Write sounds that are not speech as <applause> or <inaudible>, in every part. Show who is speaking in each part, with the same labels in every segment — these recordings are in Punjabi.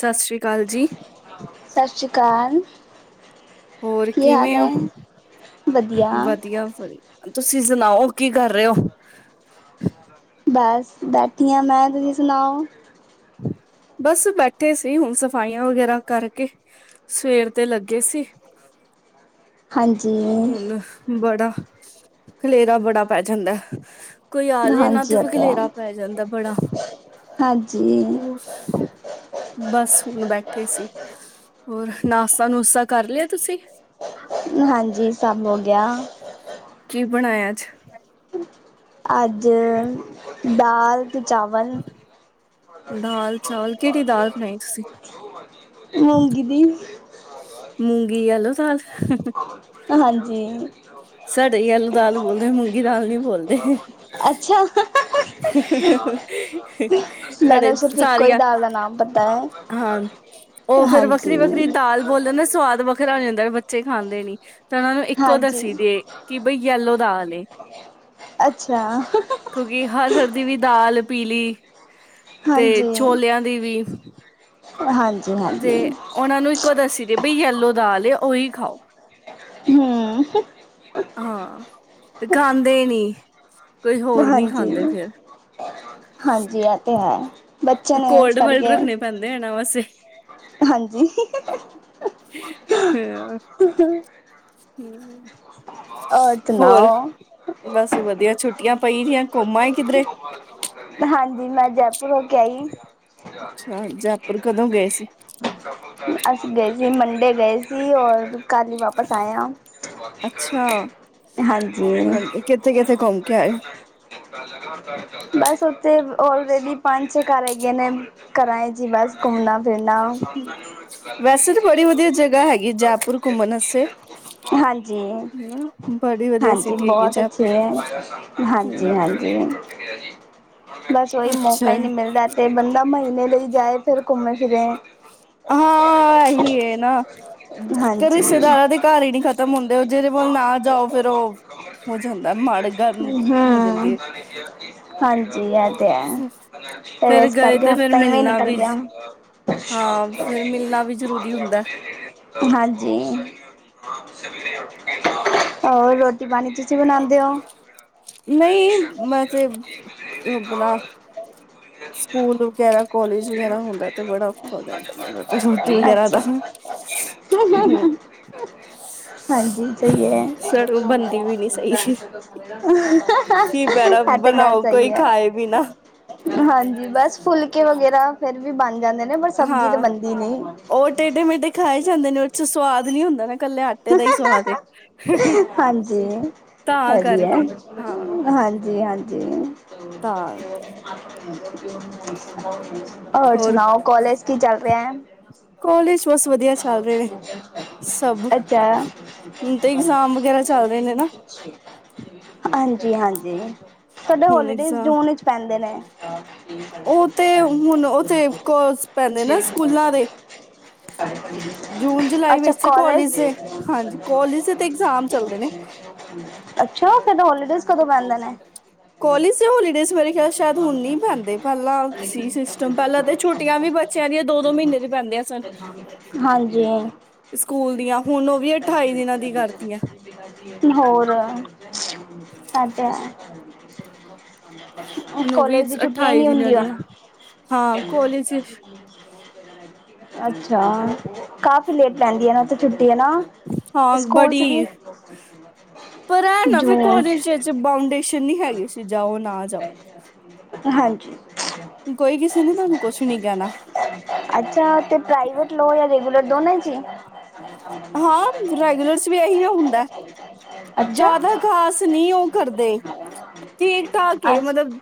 Speaker 1: ਸਾਸ ਸ੍ਰੀ ਕਾਲ ਜੀ।
Speaker 2: ਸਤਿ ਸ਼੍ਰੀ ਅਕਾਲ
Speaker 1: ਹੋਰ
Speaker 2: ਕੀ ਹਾਲ
Speaker 1: ਕਿਵੇਂ
Speaker 2: ਹੈ
Speaker 1: ਹੋ।
Speaker 2: ਵਧੀਆ
Speaker 1: ਤੁਸੀਂ ਸੁਣਾਓ, ਕੀ ਕਰ ਰਹੇ ਹੋ
Speaker 2: ਬਸ ਬੈਠੀ ਹਾਂ ਮੈਂ ਤੁਸੀਂ ਸੁਣਾਓ
Speaker 1: ਬਸ ਬੈਠੇ ਸੀ ਹੁਮ ਸਫਾਈਆਂ ਵਗੈਰਾ ਕਰਕੇ ਸਵੇਰ ਤੇ ਲੱਗੇ ਸੀ।
Speaker 2: ਹਾਂਜੀ
Speaker 1: ਹੁਣ ਬੜਾ ਖਲੇਰਾ ਬੜਾ ਪੈ ਜਾਂਦਾ ਕੋਈ ਆ ਜਾਂ ਨਾ
Speaker 2: ਹਾਂਜੀ
Speaker 1: ਤੇ
Speaker 2: ਹੋ ਗਿਆ
Speaker 1: ਫਖਲੇਰਾ ਪੈ ਜਾਂਦਾ ਬੜਾ
Speaker 2: ਹਾਂਜੀ
Speaker 1: ਉਹ ਬਸ ਹੁਣ ਬੈਠੇ ਸੀ ਹੋਰ ਨਾਸ਼ਤਾ-ਨੁਸਤਾ ਕਰ ਲਿਆ ਤੁਸੀਂ
Speaker 2: ਹਾਂਜੀ ਸਭ ਹੋ ਗਿਆ
Speaker 1: ਕੀ ਬਣਾਇਆ ਅੱਜ
Speaker 2: ਅੱਜ ਦਾਲ ਤੇ ਚਾਵਲ ਲੜਕੇ ਦੇ
Speaker 1: ਦਾਲ
Speaker 2: ਮਨ
Speaker 1: ਚਾਵਲ
Speaker 2: ਭਾ
Speaker 1: ਕਿਹੜੀ
Speaker 2: ਗਿਆ
Speaker 1: ਦਾਲ ਬਣਾਈ ਤੁਸੀਂ?
Speaker 2: ਹੁਣ ਜੋ ਮਰਜੀ ਮੰਗੀ ਦੀ
Speaker 1: ਮੂੰਗੀ ਆ ਯੇਲੋਂ ਦਾਲ
Speaker 2: ਹਾਂਜੀ
Speaker 1: ਸਾਡੇ ਹੀ ਆਲੂ ਦਾਲ ਬੋਲਦੇ ਮੂੰਗੀ ਦਾਲ ਨੀ ਬੋਲਦੇ
Speaker 2: ਅੱਛਾ
Speaker 1: ਸਾਡੇ
Speaker 2: ਮੈਨੂੰ ਸਿਰਫ ਇੱਕੋ ਹੀ
Speaker 1: ਸਾਰੀਆਂ
Speaker 2: ਦਾਲ ਦਾ ਨਾਮ ਪਤਾ ਹੈ
Speaker 1: ਹਾਂ ਉਹ ਫੇਿਰ ਵੱਖਰੀ, ਵੱਖਰੀ
Speaker 2: ਹਾਂਜੀ
Speaker 1: ਦਾਲ ਬੋਲਦੇ ਨਾ ਸਵਾਦ ਵੱਖਰਾ ਹੋ ਜਾਂਦਾ ਬੱਚੇ ਖਾਂਦੇ ਨੀ ਤਾਂ ਉਹਨਾਂ ਨੂੰ ਇੱਕੋ
Speaker 2: ਹਾਂਜੀ
Speaker 1: ਦੱਸੀ ਕਿ ਬਈ ਯਲੋ ਦਾਲ
Speaker 2: ਅੱਛਾ
Speaker 1: ਕਿਉਂਕਿ ਹਰ, ਹਰ ਦੀ ਵੀ ਦਾਲ ਪੀਲੀ ਬਲੀ <unintelligible> ਤੇ
Speaker 2: ਹਾਂਜੀ
Speaker 1: ਛੋਲਿਆਂ ਦੀ ਵੀ
Speaker 2: ਹਾਂਜੀ
Speaker 1: ਤੇ
Speaker 2: ਹਾਂਜੀ
Speaker 1: ਉਹਨਾਂ ਨੂੰ ਇੱਕੋ ਦੱਸੀ ਦੇ ਬ ਯਲੋ ਦਾਲ ਓ ਓਈ ਖਾਓ
Speaker 2: ਹਮ
Speaker 1: ਹਾਂ ਤੇ ਖਾਂਦੇ ਨੀ ਕੋਈ ਹੋਰ ਨਹੀਂੀ
Speaker 2: ਹਾਂਜੀ
Speaker 1: ਖਾਂਦੇ ਫਿਰ
Speaker 2: ਹਾਂਜੀ ਇਹ ਤੇ ਹੈ ਬੱਚੇ ਨੇ ਇਸ
Speaker 1: ਕੋਡ ਵਰਡ
Speaker 2: ਕਰਕੇ
Speaker 1: ਰੱਖਣੇ ਪੈਂਦੇ ਹੈ ਇਨਾ ਵੈਸੇ
Speaker 2: ਹਾਂਜੀ ਹਾ ਹਾ
Speaker 1: ਹਮ ਹੋਰ
Speaker 2: ਸੁਣਾਓ
Speaker 1: ਬਸ ਵਧੀਆ ਛੁੱਟੀਆਂ ਪੈਗੀਆਂ ਘੁੰਮਾਂ ਕਿਧਰੇ
Speaker 2: ਹਾਂਜੀ ਮੈਂ ਜੈਪੁਰ ਹੋ ਕੇ ਆਈ
Speaker 1: ਅੱਛਾ ਜੈਪੁਰ ਕਦੋਂ ਗਏ ਸੀ
Speaker 2: ਗਏ ਸੀ ਮੰਡੇ ਗਏ ਸੀ ਔਰ ਕੱਲ੍ਹ ਹੀ ਵਾਪਸ ਆਆ
Speaker 1: ਹਾਂ ਮੰ ਕਿੱਥੇ, ਕਿੱਥੇ ਘੁੰਮ ਕੇ ਆਏ
Speaker 2: ਅਤੇ ਔਲਰੇਡੀ ਪੰਜ ਛੇ ਘਰ ਹੈਗੇ ਨੇ ਘਰਾਂ ਹੈ ਜੀ ਬਸ ਘੁੰਮਣਾ
Speaker 1: ਵੈਸੇ ਤਾਂ ਬੜੀ ਵਧੀਆ ਜਗ੍ਹਾ ਹੈਗੀ ਜੈਪੁਰ ਘੁੰਮਣ ਵਾਸਤੇ
Speaker 2: <unintelligible> ਹਾਂਜੀ
Speaker 1: ਹਨਾ, ਬੜੀ ਵਧੀਆ
Speaker 2: ਹਾਂਜੀ
Speaker 1: ਸਿਟੀ ਹੈਗੀ
Speaker 2: ਬਹੁਤ
Speaker 1: ਜੈਪੁਰ
Speaker 2: ਅੱਛੇ ਹੈ ਹਾਂਜੀ,
Speaker 1: ਹਮ
Speaker 2: ਹਾਂਜੀ ਬਸ ਉਹੀ ਮੌਕਾ
Speaker 1: ਅੱਛਾ
Speaker 2: ਹੀ ਨਹੀਂੀ ਮਿਲਦਾ ਤੇ ਬੰਦਾ ਮ ਘੇ ਲਈ ਜਾਏ ਫਿਰ ਘੁੰਮੇ ਫਿਰੇ
Speaker 1: ਹਾਂ ਇਹੀ ਨਾ ਤੇ
Speaker 2: ਹਾਂਜੀ
Speaker 1: ਰਿਸ਼ਤੇਦਾਰਾਂ ਦੇ ਘਰ ਹੀ ਨੀ ਖਤਮ ਹੁੰਦੇ ਉਹ ਜਿਹ। ਲ ਨਾ ਜਾਓ ਫੇਿਰ ਉਹ ਹੋ ਜਾਂਦਾ ਮਾੜੇ ਗਰਮ ਹੋ ਜਾਂਦੀ
Speaker 2: ਹਮ
Speaker 1: ਹੈ।
Speaker 2: ਹਾਂਜੀ ਹਾਂਜੀ। ਤੇ
Speaker 1: ਫੇਰ
Speaker 2: ਇਸ
Speaker 1: ਗਏ
Speaker 2: ਕਰਕੇ
Speaker 1: ਤੇ ਫੇਰ
Speaker 2: ਹਫ਼ਤਾ ਹੀਵੇਂ
Speaker 1: ਮਿਲਣਾ
Speaker 2: ਨਿਕਲ
Speaker 1: ਵੀ
Speaker 2: ਗਿਆ
Speaker 1: ਹਾਂ ਫੇਰ ਮਿਲਣਾ ਵੀ ਜ਼ਰੂਰੀ ਹੁੰਦਾ
Speaker 2: ਹਾਂਜੀ। <inaudible> ਹੋਰ ਰੋਟੀ ਪਾਣੀ ਬਣਾਉਂਦੇ ਹੋ?
Speaker 1: ਨਹੀਂ ਮੈ‌ ਤੇ ਆਪਣਾ।
Speaker 2: <unintelligible> ਅੱਛਾ‌।
Speaker 1: ਸਕੂਲ ਵਗੈਰਾ ਕਾਲਜ ਵਗੈਰਾ ਹੁੰਦਾ ਤੇ ਬੜਾ ਔਖਾ ਹੋ ਜਾਂਦਾ ਮੈਨੂੰ ਤੇ ਰੋਟੀ ਵਗੈਰਾ ਦਾ ਹੂੰ
Speaker 2: ਹਾਂਜੀ।
Speaker 1: ਸੜੋ ਬਣਦੀ ਵੀ ਨੀ ਸਹੀ ਕੀ ਬੈਣਾ
Speaker 2: <unintelligible> ਹੈ ਤੇ ਗੱਲ
Speaker 1: ਬਣਾਓ
Speaker 2: ਸਹੀ
Speaker 1: ਕੋਈ
Speaker 2: ਏ।
Speaker 1: ਖਾਏ ਵੀ ਨਾ
Speaker 2: ਹਾਂਜੀ ਬਸ ਫੁਲਕੇ ਵਗੈਰਾ ਫੇਰ ਵੀ ਬਣ ਜਾਂਦੇ ਨੇ ਪਰ ਸਬਜ਼ੀ ਤਾਂ
Speaker 1: ਹਾਂ
Speaker 2: ਬਣਦੀ ਨਹੀਂ।
Speaker 1: ਉਹ ਟੇਢੇ ਮੇਢੇ ਖਾ ਜਾਂਦੇ ਨੇ ਉਹ ਚ ਸਵਾਦ। ਨੀ ਹੁੰਦਾ। ਕੱਲੇ ਆਟੇ ਦਾ ਹੀ ਸਵਾਦ ਏ
Speaker 2: <unintelligible> ਹਾਂਜੀ ਹੈ
Speaker 1: ਤਾਂ
Speaker 2: ਵੀ ਹੈ
Speaker 1: ਕਰਕੇ ਹਾਂ
Speaker 2: ਹਾਂਜੀ ਹਾਂਜੀ।
Speaker 1: ਤਾਂ
Speaker 2: ਜ <inaudible> <inaudible> <inaudible>
Speaker 1: ਹੋਰ ਕੋਾਲਜ ਬਸ ਵਧੀਆ ਚੱਲ ਰਹੇ ਨੇ ਸਭ।
Speaker 2: ਅੱਛਾ <unintelligible>
Speaker 1: ਹੁਣ ਤੇ ਇਗਜ਼ਾਮ ਵਗੈਰਾ ਚੱਲ ਰਹੇ ਨੇ
Speaker 2: ਹਾਂਜੀ।
Speaker 1: ਨਾ
Speaker 2: ਜੀ ਹਾਂਜੀ। ਸਾਡੇ
Speaker 1: ਹੁਣ
Speaker 2: ਹੋਲੀਡੇਜ਼
Speaker 1: ਇਗਜ਼ਾਮ
Speaker 2: ਜੂਨ ਵਿੱਚ ਪੈਂਦੇ ਨੇ। ਹਾਂ। <unintelligible>
Speaker 1: ਉਹ ਤੇ ਹੁਣ ਉਹ ਤੇ ਕੋ ਪੈਂਦੇ ਨਾ ਸਕੂਲਾਂ ਦੇ ਜੂਨ ਜੁਲਾਈ
Speaker 2: ਅੱਛਾ
Speaker 1: ਵਿੱਚ ਕੋਾਲਜ।
Speaker 2: <unintelligible>
Speaker 1: ਚੱਲਦੇ ਨੇ
Speaker 2: ਅੱਛਾ। ਹੋਲੀਡੇਜ਼ ਕਦੋਂ ਪੈਂਦੇ ਨੇ?
Speaker 1: ਕੋਾਲਜ ਤੇ ਹੋਲੀਡੇਜ ਮੇਰੇ ਖਿਆਲ ਸ਼ਾਇਦ ਹੁਣ ਨੀ ਪੈਂਦੇ ਪਹਿਲਾਂ ਸੀ ਸਿਸਟਮ ਪਹਿਲਾਂ ਤੇ ਛੁੱਟੀਆਂ ਵੀ ਬੱਚਿਆ ਦੀਆ ਦੋ ਦੋ ਮਹੀਨੇ ਦੀਆਂ ਪੈਂਦੀਆਂ ਸਨ।
Speaker 2: ਹਾਂਜੀ
Speaker 1: ਦੀਆਂ ਹੁਣ ਉਹ ਵੀ ਅਠਾਈ ਦਿਨਾਂ ਦੀ ਕਰਤੀਆਂ
Speaker 2: <unintelligible> ਹੋਰ ਇਹ ਤੇ ਹੈ। <inaudible>
Speaker 1: ਹੁਣ ਉਹ ਵੀ
Speaker 2: ਕਾਲਜ ਦੀ ਛੁੱਟੀਆਂ
Speaker 1: ਅਠਾਈ
Speaker 2: ਨਹੀਂ
Speaker 1: ਦਿਨਾਂ
Speaker 2: ਹੁੰਦੀਆਂ।
Speaker 1: ਦੀ
Speaker 2: <inaudible>
Speaker 1: ਹਾਂ ਕਾਲਜ
Speaker 2: ਅੱਛਾ ਕਾਫੀ। ਲੇਟ ਪੈਂਦੀ ਹੈ ਨਾ ਤੇ।
Speaker 1: ਹਾਂ ਬੜੀ ਏ ਪਰ ਹੈ ਨਾ ਫਿਰ
Speaker 2: ਜੂਨ
Speaker 1: ਕੋਲਜ
Speaker 2: 'ਚ
Speaker 1: ਵਿਚ ਬਾਊਂਡੇਸ਼ਨ ਨੀ ਹੈਗੀ ਸੀ ਜਾਓ ਨਾ ਜਾਓ।
Speaker 2: ਹਾਂਜੀ
Speaker 1: ਕੋਈ ਕਿਸੇ ਨੇ ਤੁਹਾਨੂੰ ਕੁਛ ਨੀ ਕਹਿਣਾ
Speaker 2: ਅੱਛਾ ਤੇ ਪ੍ਰਾਈਵੇਟ ਲੋਓ ਜਾਂ ਰੈਗੂਲਰ ਦੋਨਾਂ ਜ
Speaker 1: ਹਾਂ ਰੈਗੂਲਰਸ ਵੀ ਇਹੀ ਉਹ ਹੁੰਦਾ ਜਿਆਦਾ ਖਾਸ ਨੀ ਉਹ ਕਰਦੇ ਠੀਕ ਠਾਕ ਏ ਮਤਲਬ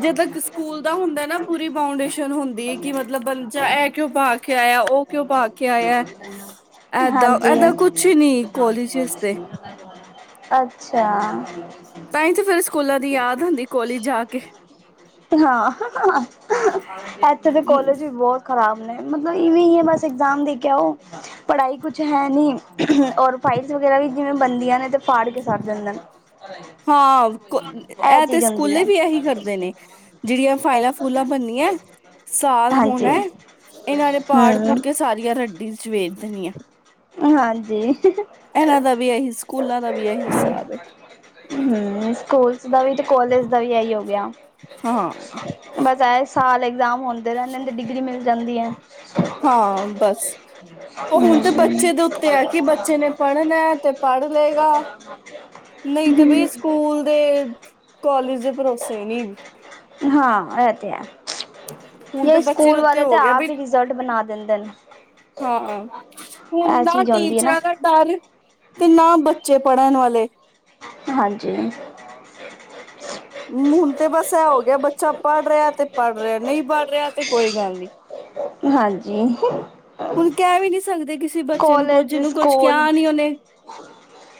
Speaker 1: ਜਿਦ ਕ ਸਕੂਲ ਚ ਹੁੰਦਾ ਪੂਰੀ ਬਾਊਂਡੇਸ਼ਨ ਹੁੰਦੀ ਕਿ ਮਤਲਬ ਬੱਚਾ ਇਹ ਕਿਉ ਪਾ ਕੇ ਆਇਆ ਕਿਉ ਪਾ ਕੇ ਆਇਆ। ਏਦਾਂ
Speaker 2: ਹਾਂਜੀ <inaudible>
Speaker 1: ਏਦਾਂ ਕੁਛ ਨੀ ਕੋਲਜਿਸ ਤੇ
Speaker 2: ਅੱਛਾ।
Speaker 1: ਤਾਂ ਹੀ ਤੇ ਫੇਰ ਸਕੂਲਾਂ ਦੀ ਯਾਦ ਹੁੰਦੀ ਕੋਲਜ ਜਾ ਕੇ
Speaker 2: <unintelligible> ਹਾਂ ਹਾਂ ਇੱਥੇ ਦੇ ਕੋਲੇਜ ਵੀ ਬਹੁਤ ਖ਼ਰਾਬ <unintelligible> ਇਹ ਵੀ ਹੀ ਹੈ ਬਸ ਐਗਜ਼ਾਮ ਦੇ ਕੇ ਆ ਆਓ। <unintelligible> ਪੜ੍ਹਾਈ ਕੁਛ ਹੈ ਨਹੀਂ ਔਰ ਫਾਈਲਸ ਵਗੈਰਾ ਵੀ ਜਿਵੇਂ ਬਣਦੀਆਂ ਨੇ ਤੇ ਫਾੜ ਕੇ ਸੱਟ ਦਿੰਦੇ ਨੇ
Speaker 1: ਹਾਂ ਇਹ ਤੇ
Speaker 2: ਚੀਜ਼ ਹੁੰਦੀ ਹੈ
Speaker 1: ਸਕੂਲੇ ਵੀ ਇਹੀ ਕਰਦੇ ਨੇ ਜਿਹੜੀਆਂ ਫਾਈਲਾਂ ਫੂਲਾਂ ਬਣਨੀਆਂ ਸਾਲ
Speaker 2: ਹਾਂਜੀ
Speaker 1: ਹੋਣਾ ਹੈ ਇਹਨਾਂ ਨੇ ਪਾੜ ਪੁੜ
Speaker 2: ਹਮ
Speaker 1: ਕੇ ਸਾਰੀਆਂ ਰੱਦੀ ਚ ਵੇ ਧਨੀਆ
Speaker 2: ਹਾਂਜੀ। <unintelligible> <unintelligible>
Speaker 1: ਦਾ ਵੀ ਇਹੀ ਸਕੂਲਾਂ ਦਾ ਵੀ ਇਹੀ ਹਿਸਾਬ ਹੈ ਹਾਂ
Speaker 2: ਦਰਾਨ ਦੀ ਡਿਗਰੀ ਮਿਲ ਜਾਂਦੀ ਹੈ।
Speaker 1: ਹਾਂ ਬਸ ਪ ਹੁਣ ਤੇ
Speaker 2: ਹਮ
Speaker 1: ਬੱਚੇ ਦੇ ਉੱਤੇ ਹੈ ਕਿ ਬੱਚੇ ਨੇ ਪੜ੍ਹਨਾ ਹੈ ਤੇ ਪੜ੍ਹ ਚੱਲੇਗਾ ਨਹੀਂ ਤੇ ਬਈ ਸਕੂਲ ਦੇ ਕਾਲਜ ਦੇ ਭਰੋਸੇ ਨੀ।
Speaker 2: ਹਾਂ ਅ ਤੇ ਹੈ।
Speaker 1: ਹੁਣ ਤੇ
Speaker 2: ਜ
Speaker 1: ਬੱਚੇ ਦੇ
Speaker 2: ਸਕੂਲ
Speaker 1: ਉੱਤੇ
Speaker 2: ਵਾਲੇ
Speaker 1: ਹੋ
Speaker 2: ਤਾਂ
Speaker 1: ਗਿਆ ਬਈ
Speaker 2: ਆਪ ਹੀ ਰਿਜ਼ਲਟ ਬਣਾ ਦਿੰਦੇ ਨੇ
Speaker 1: ਹਾਂ ਹੁਣ
Speaker 2: ਇਹ
Speaker 1: ਨਾ
Speaker 2: ਚੀਜ਼ ਆਉਦੀ ਹੈ ਨਾ।
Speaker 1: ਟੀਚਰਾਂ ਦਾ ਡਰ ਤੇ ਨਾ ਬੱਚੇ ਪੜ੍ਹਨ ਵਾਲੇ।
Speaker 2: ਹਾਂਜੀ।
Speaker 1: ਹੁਣ ਤੇ ਬਸ ਇਹ ਹੋ ਗਿਆ ਬੱਚਾ ਪੜ੍ਹ ਰਿਹਾ ਤੇ ਪੜ੍ਹ ਰਿਹਾ ਨਹੀਂ ਪੜ੍ਹ ਰਿਹਾ ਤੇ ਕੋਈ ਗੱਲ ਨੀ।
Speaker 2: ਹਾਂਜੀ। ਹਮ
Speaker 1: ਹੁਣ ਕਹਿ ਵੀ ਨੀ ਸਕਦੇ ਕਿਸੇ ਬੱਚੇ ਨੂੰ ਕੁਝ
Speaker 2: ਕਾਲਜ
Speaker 1: ਜਿਹਨੂੰ ਕੁਛ
Speaker 2: ਸਕੂਲ
Speaker 1: ਕਿਹਾ ਨੀ ਉਹਨੇ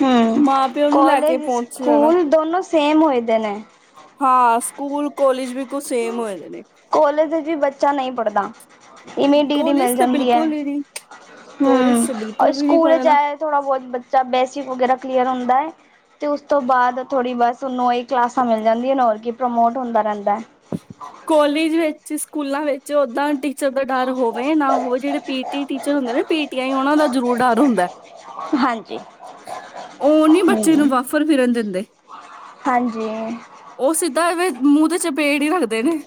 Speaker 2: ਹਮ
Speaker 1: ਮਾਂ ਪਿਓ ਨੂੰ ਲੈ ਕੇ
Speaker 2: ਕਾਲਜ
Speaker 1: ਪਹੁੰਚ ਜਾਣਾ
Speaker 2: ਸਕੂਲ ਦੋਨੋ ਸੇਮ ਹੋਏ ਪਏ ਨੇ।
Speaker 1: ਹਾਂ ਸਕੂਲ ਕਾਲਜ ਵੀ ਕੁ ਸੇਮ ਹੋਏ ਦੇ ਨੇ
Speaker 2: ਕੋਲੇਜ ਦੇ ਵਿੱਚ ਵੀ ਬੱਚਾ ਨਹੀਂ ਪੜ੍ਹਦਾ। ਇਵੇ ਡਿਗਰੀ
Speaker 1: ਕਾਲਜ
Speaker 2: ਮਿਲ
Speaker 1: ਤੇ
Speaker 2: ਜਾਂਦੀ ਹੈ
Speaker 1: ਬਿਲਕੁਲ ਹੀ ਨੀ ਕੋਲਜ
Speaker 2: ਹਮ
Speaker 1: ਚ ਬਿਲਕੁਲ
Speaker 2: ਔਰ
Speaker 1: ਵੀ ਨਹੀਂ
Speaker 2: ਸਕੂਲ ਚ
Speaker 1: ਪੜ੍ਹਨਾ
Speaker 2: ਐ ਥੋੜ੍ਹਾ ਬਹੁਤ ਬੱਚਾ ਬੇਸਿਕ ਵਗੈਰਾ ਕਲੀਅਰ ਹੁੰਦਾ ਐ। ਤੇ ਉਸ ਤੋਂ ਬਾਅਦ ਥੋੜ੍ਹੀ ਬਸ ਉਨੂੰ ਇਹ ਕਲਾਸਾਂ ਮਿਲ ਜਾਂਦੀਆਂ ਨੇ ਹੋਰ ਕੀ ਪ੍ਰਮੋਟ ਹੁੰਦਾ ਰਹਿੰਦਾ ਹੈ।
Speaker 1: ਕਾਲਜ ਵਿੱਚ ਸਕੂਲਾਂ ਵਿੱਚ ਓਦਾਂ ਟੀ ਟੀਚਰ ਦਾ ਡਰ ਹੋਵੇ ਨਾ ਹੋਵੇ, ਜਿਹੜੇ ਪੀਟੀ ਟੀਚਰ ਹੁੰਦੇ ਨੇ ਪੀਟੀ ਆਈ ਉਹਨਾਂ ਦਾ ਜਰੂਰ ਡਰ ਹੁੰਦਾ
Speaker 2: ਹੈ ਹਾਂਜੀ
Speaker 1: ਉਹ ਨੀ ਬੱਚੇ ਨੂੰ
Speaker 2: ਹਮ
Speaker 1: ਬਾਫਰ ਫਿਰਨ ਦਿੰਦੇ।
Speaker 2: ਹਾਂਜੀ।
Speaker 1: ਉਹ ਸਿੱਧਾ ਮੂੰਹ ਤੇ ਚਪੇੜ ਹੀ ਰੱਖਦੇ ਨੇ।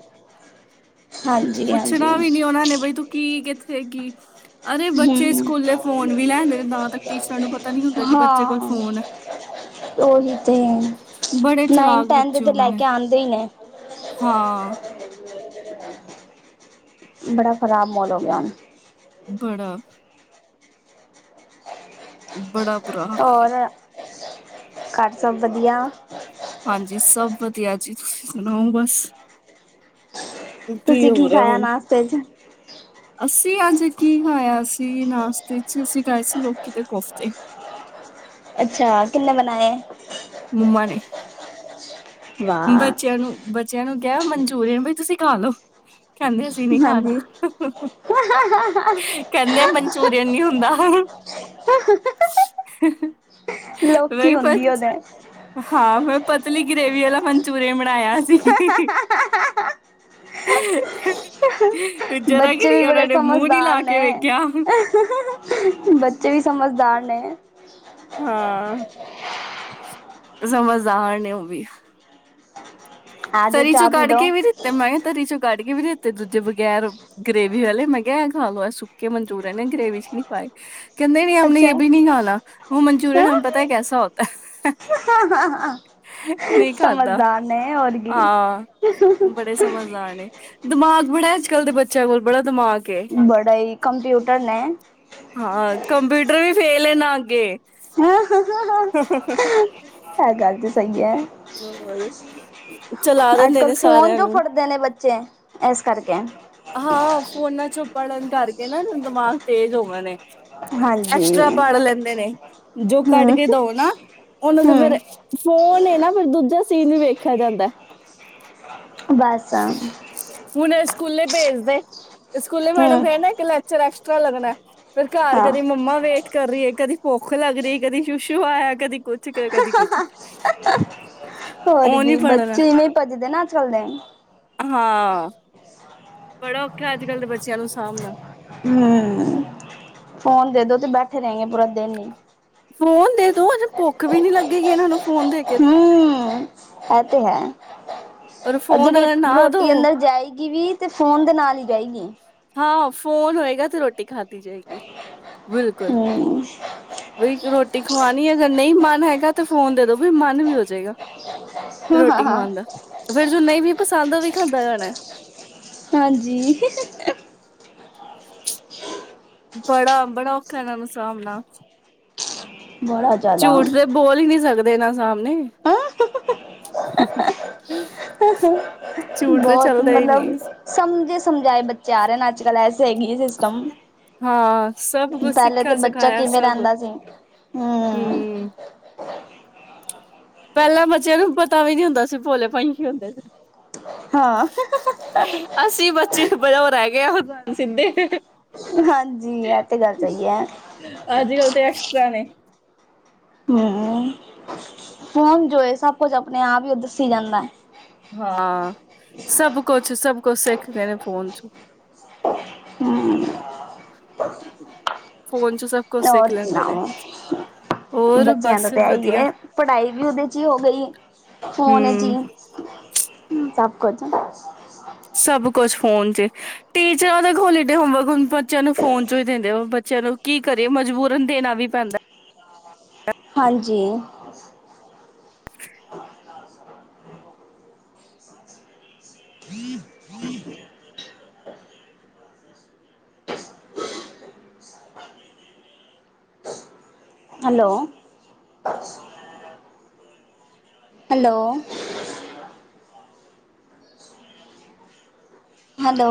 Speaker 2: ਹਾਂਜੀ ਹਾਂਜੀ
Speaker 1: ਪੁੱਛਣਾ ਵੀ ਨੀ ਉਹਨਾ ਨੇ ਬਈ ਤੂੰ ਕੀ <unintelligible>
Speaker 2: ਹੂੰ
Speaker 1: ਬੱਚੇ
Speaker 2: ਹੂੰ
Speaker 1: ਸਕੂਲੇ ਫੋਨ ਵੀ ਲੈਂਦੇ ਨੇ ਤਾਂ ਤੱਕ ਟੀਚਰਾਂ ਨੂੰ ਪਤਾ ਨੀ ਹੁੰਦਾ ਕਿ ਬੱਚੇ ਕੋਲ
Speaker 2: ਹਾਂ
Speaker 1: ਫੋਨ ਐ।
Speaker 2: ਉਹੀ ਤੇ
Speaker 1: ਬੜੇ
Speaker 2: ਨਾਈਨ
Speaker 1: ਚਲਾਕ
Speaker 2: ਟੇ
Speaker 1: ਬੱਚੇ
Speaker 2: ਤੇ
Speaker 1: ਹੋ ਗਏ
Speaker 2: ਲੈ
Speaker 1: ਨੇ
Speaker 2: ਕੇ ਆਦੇ ਹੀ ਨੇ।
Speaker 1: ਹਾਂ।
Speaker 2: ਬੜਾ ਖਰਾਬ ਮਾਹੌਲ ਹੋ ਗਿਆ ਹੁਣ।
Speaker 1: ਬੜਾ ਬੜਾ ਬੁਰਾ ਹਾਲ ਹੈ।
Speaker 2: ਹੋਰ ਘਰ ਸਭ ਵਧੀਆ
Speaker 1: ਹਾਂਜੀ, ਸਭ ਵਧੀਆ ਜੀ ਤੁਸੀਂ ਸੁਣਾਓ ਬਸ
Speaker 2: ਤੁਸੀਂ
Speaker 1: ਹੋ
Speaker 2: ਕੀ
Speaker 1: ਰਿਹਾ
Speaker 2: ਖਾਇਆ
Speaker 1: ਹੁਣ
Speaker 2: ਨਾਸ਼ਤੇ ਚ
Speaker 1: ਅਸੀਂ ਅੱਜ ਕੀ ਖਾਇਆ ਸੀ ਨਾਸਤੇ ਚ ਅਸੀਂ ਖਾਏ ਸੀ ਲੋਕੀ ਦੇ ਕੋਫਤੇ
Speaker 2: ਅੱਛਾ ਕਿੰਨੇ ਬਣਾਇਆ।
Speaker 1: ਮੰਮਾ ਨੇ।
Speaker 2: ਵਾਹ
Speaker 1: ਬੱਚਿਆਂ ਨੂੰ ਬ ਬੱਚਿਆਂ ਨੂੰ ਕਿਹਾ ਮਨਚੂਰੀਅਨ ਵੀ ਤੁਸੀਂ ਖਾਲੋ। ਕਹਿੰਦੇ ਅਸੀਂ ਨੀ ਖਾਣਾ
Speaker 2: ਹਾਂਜੀ
Speaker 1: ਕਹਿੰਦੇ ਆ ਮਨਚੂਰੀਅਨ ਨੀ ਹੁੰਦਾ। ਮੈਂ
Speaker 2: ਲੋਕੀ
Speaker 1: <unintelligible>
Speaker 2: ਹੁੰਦੀ ਉਹਦੇ
Speaker 1: ਹਾਂ ਮੈਂ ਪਤਲੀ ਗਰੇਵੀ ਆਲਾ ਮਨਚੂਰੀਅਨ ਬਣਾਇਆ ਸੀ, ਜਰਾ ਕੁ
Speaker 2: ਬੱਚੇ ਵੀ
Speaker 1: ਉਹਨਾਂ
Speaker 2: ਬੜੇ
Speaker 1: ਨੇ ਮੂੰਹ ਨਹੀਂ
Speaker 2: ਸਮਝਦਾਰ
Speaker 1: ਲਾ ਕੇ
Speaker 2: ਨੇ
Speaker 1: ਵੇਖਿਆ।
Speaker 2: ਬੱਚੇ ਵੀ ਸਮਝਦਾਰ ਨੇ
Speaker 1: ਹਾਂ ਸਮਝਦਾਰ ਨੇ। <unintelligible>
Speaker 2: ਆ ਜਾਓ
Speaker 1: ਤਰੀ ਚੋਂ
Speaker 2: ਚਾਹ ਪੀ
Speaker 1: ਕੱਢ ਕੇ
Speaker 2: ਲਓ
Speaker 1: ਵੀ ਦਿੱਤੇ ਮੈਂ ਤਰੀ ਚੋਂ ਕੱਢ ਕੇ ਵੀ ਦਿੱਤੇ ਤੇ ਦੂਜੇ ਬਗੈਰ ਗਰੇੇਵੀ ਵਾਲੇ ਮੈਂ ਕਿਹਾ ਖਾ ਲਓ, ਸੁੱਕੇ ਮਨਚੂਰੀਨ ਨੇ ਗ੍ਰਰੇਵੀ ਚ ਨਹੀਂ ਪਾਏ ਕਹਿੰਦੇ ਨ ਹਮ ਨੇ ਇਹ ਵੀ ਨਹੀਂ ਖਾਣਾ ਵੋ ਮਨਚੂਰਅਨ ਹਮੇਂ ਪਤਾ
Speaker 2: ਅੱਛਾ
Speaker 1: ਕੈਸਾ ਹੋਤਾ ਨਹੀਂ ਖਾਤਾ। ਹਾਂ ਬੜੇ ਸਮਜ਼ ਆਣੇ ਦਿਮਾਗ ਬੜਾ ਅੱਜ ਕੱਲ ਦੇ ਬੱਚਿਆਂ ਕੋਲ ਬੜਾ ਦਿਮਾਗ
Speaker 2: ਬੜਾ ਹੀ ਕੰਪਿਊਟਰ ਨੇ
Speaker 1: ਹਾਂ ਕੰਪਿਊਟਰ ਵੀ ਫੇਲ ਹੈ ਨਾ ਅੱਗੇ
Speaker 2: ਇਹ
Speaker 1: ਹ
Speaker 2: ਗੱਲ ਤੇ ਸਹੀ ਹੈ
Speaker 1: ਹੋਰ ਚਲਾ
Speaker 2: ਅੱਜ
Speaker 1: ਦਿੰਦੇ
Speaker 2: ਕੱਲ
Speaker 1: ਨੇ
Speaker 2: ਫੋਨ
Speaker 1: ਸਾਰਿਆਂ
Speaker 2: ਜੋ
Speaker 1: ਨੂੰ
Speaker 2: ਫੜਦੇ ਨੇ ਬੱਚੇ ਇਸ ਕਰਕੇ
Speaker 1: ਹਾਂ ਫੋਨਾਂ ਚੋਂ ਪੜ੍ਹਨ ਕਰਕੇ ਨਾ ਇਹਨਾਂ ਦਿਮਾਗ ਤੇਜ਼ ਹੋਗੇ ਨੇ
Speaker 2: ਹਾਂਜੀ
Speaker 1: ਐਕਸਟਰਾ ਪਾੜ ਲੈਂਦੇ ਨੇ ਜੋ ਕੱਢ
Speaker 2: ਹਮ
Speaker 1: ਕੇ ਦਓ ਨਾ ਉਹਨਾਂ ਦਾ ਫੇਰ
Speaker 2: ਹਮ
Speaker 1: ਫੋਨ ਨਾ ਫਿਰ ਦੂਜਾ ਟੀਵੀ ਵੀ ਵੇਖਿਆ ਜਾਂਦਾ।
Speaker 2: ਬਸ ਅ
Speaker 1: ਹੁਣ ਇਹ ਸਕੂਲੇ ਭੇਜਦੇ। ਸਕੂਲੇ ਮੈਡਮ ਕਹਿਣਾ ਇਕ ਲੈਕਚਰ ਐਕਸਟ੍ਰਾ ਉੱਚਾ ਲੱਗਣਾ ਫੇਰ ਘਰ
Speaker 2: ਹਾਂ
Speaker 1: ਕਦੀ ਮੰਮਾ ਵੇਟ ਕਰ ਰਹੀ ਹੈ ਕਦੀ ਭੁੱਖ ਲੱਗ ਰਹੀ ਕਦੀ ਸ਼ੂਸ਼ੂ ਹੋਇਆ ਕਦੀ ਕੁਛ ਕਦੀ ਕੁਛ
Speaker 2: <unintelligible> ਹੋਰ
Speaker 1: ਉਹ ਨੀ
Speaker 2: ਕੀ
Speaker 1: ਪੜ੍ਹਨਾ
Speaker 2: ਬੱਚੇਵੇਂ ਭੱਜਦੇ ਨਾ ਅੱਜ ਕੱਲ ਦੇ
Speaker 1: ਹਾਂ ਬੜਾ ਔਖਾ ਅੱਜ ਕੱਲ੍ਹ ਦੇ ਬੱਚਿਆਂ ਨੂੰ ਸਾਂਭਣਾ
Speaker 2: ਹਮ ਫੋਨ ਦੇ ਦੋ ਤੇ ਬੈਠੇ ਰਹਿਗੇ ਪੂਰਾ ਦਿਨ ਹੀ
Speaker 1: ਫੋਨ ਦੇ ਤੋ ਅਜੇ ਭੁੱਖ ਵੀ ਨੀ ਲੱਗੇਗੀ ਇਹਨਾਂ ਨੂੰ ਫੋਨ ਦੇ ਕੇ ਤੇ
Speaker 2: ਹੈ ਤੇ ਹੈ
Speaker 1: ਔਰ ਫੋਨ
Speaker 2: ਅਜੇ
Speaker 1: ਅਗਰ ਨਾ ਦੋ
Speaker 2: ਰੋਟੀ ਅੰਦਰ ਜਾਈ ਗੀ ਵੀ ਤੇ ਫੋਨ ਦੇ ਨਾਲ ਹੀ ਜਾਏਗੀ।
Speaker 1: ਹਾਂ ਫੋਨ ਹੋਏਗਾ ਤੇ ਰੋਟੀ ਖਾਧ ਜਾਏਗੀ ਬਿਲਕੁਲ
Speaker 2: ਹਮ
Speaker 1: ਵੀ ਰੋਟੀ ਖਵਾਣੀ ਅਗਰ ਨਹੀਂ ਮਨ ਹੈਗਾ ਤੇ ਫੋਨ ਦੇ ਦੋ ਵੀ ਮਨ ਵੀ ਹੋ ਜਾਏਗਾ ਰੋਟੀ
Speaker 2: ਹਾਂ ਹਾਂ
Speaker 1: ਖਵਾਉਣ ਦਾ ਫੇਰ ਜੋ ਨਹੀਂ ਵੀ ਪਸੰਦ ਹੋ ਵੀ ਖਾਂਦਾ ਜਾਣਾ।
Speaker 2: ਹਾਂਜੀ
Speaker 1: ਬੜਾ ਬੜਾ ਔਖਾ ਇਹਨਾਂ ਨੂੰ ਸਾਹਮਣਾ ਝੂਠ ਤੇ ਬੋਲ ਹੀ ਨਹੀਂ ਸਕਦੇ ਇਹਨਾਂ ਨਹੀਂ <unintelligible>
Speaker 2: <unintelligible>
Speaker 1: ਝੂਠ ਤੇ
Speaker 2: ਬਹੁਤ
Speaker 1: ਚੱਲਦਾ ਹੀ
Speaker 2: ਮਤਲਬ
Speaker 1: ਨਹੀਂ
Speaker 2: ਸਮਝੇ ਸਮਝਾਏ ਬੱਚੇ ਆ ਰਹੇ ਨੇ ਅੱਜ ਕੱਲ ਐਸੇ ਹੈਗੀ ਸਿਸਟਮ
Speaker 1: ਹਾਂ ਸਭ ਕੁਛ
Speaker 2: ਪਹਿਲੇ ਤਾਂ
Speaker 1: ਸਿੱਖਿਆ
Speaker 2: ਬੱਚਾ
Speaker 1: ਸਿਖਾਇਆ
Speaker 2: ਕਿਵੇਂ
Speaker 1: ਸਭ
Speaker 2: ਰਹਿੰਦਾ ਸੀ ਹਮ।
Speaker 1: ਹੂੰ ਪਹਿਲਾਂ ਬੱਚਿਆਂ ਨੂੰ ਪਤਾ ਵੀ ਨੀ ਹੁੰਦਾ ਸੀ ਭੋਲੇ ਪੰਛੀ ਹੁੰਦੇ ਸੀ।
Speaker 2: ਹਾਂ
Speaker 1: ਅਸੀਂ ਬੱਚੇ ਉਹ ਰਹਿ ਗਿਆ ਆ ਸਿੱਧੇ <inaudible>
Speaker 2: ਹਾਂਜੀ ਇਹ ਤੇ ਗੱਲ ਸਹੀ ਹੈ।
Speaker 1: ਅੱਜ ਕੱਲ ਤੇ ਐਕਸਟਰਾ ਨੇ
Speaker 2: ਹਮ ਫੋਨ ਜੋ ਐ ਸਭ ਕੁਝ ਆਪਣੇ ਆਪ ਵੀ ਉਹ ਦੱਸੀ ਜਾਂਦਾ
Speaker 1: ਹਾਂ ਸਭ ਕੁਛ ਸਭ ਕੁਛ ਸਿੱਖ ਗਏ ਨੇ ਫੋਨ ਚ
Speaker 2: ਹਮ
Speaker 1: ਫੋਨ ਚ ਸਭ ਕੁਛ
Speaker 2: ਹੋਰ
Speaker 1: ਸਿੱਖ ਲੈਂਦੇ ਨੇ
Speaker 2: ਸੁਣਾਓ
Speaker 1: ਹੋਰ
Speaker 2: ਬੱਚਿਆਂ ਦਾ
Speaker 1: ਬਸ
Speaker 2: ਤਾਂ ਹੈ ਹੀ
Speaker 1: ਵਧੀਆ
Speaker 2: ਹੈ ਪੜ੍ਹਾਈ ਵੀ ਉਹਦੇ ਚ ਹੀ ਹੋ ਗਈ ਫੋਨ ਚ
Speaker 1: ਹੂੰ
Speaker 2: ਹੀ ਸਭ ਕੁਝ ਨਾ
Speaker 1: ਸਭ ਕੁਛ ਫੋਨ ਟੀਚਰਾਂ ਦਾ ਹੋਲੀ ਡੇਅ ਹੋਮਵਰਕ ਹਣ ਬੱਚਿਆਂ ਨੂੰ ਫੋਨ ਚੋਂ ਹੀ ਦਿੰਦੇ ਬੱਚਿਆਂ ਨੂੰ ਕੀ ਕਰੀਏ ਮਜਬੂਰਨ ਦੇਣਾ ਵੀ ਪੈਂਦਾ।
Speaker 2: ਹਾਂਜੀ। ਹਮ ਹਮ। ਹੈਲੋ। ਹੈਲੋ। ਹੈਲੋ।